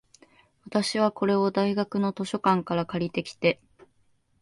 私は、これを大学の図書館から借りてきて、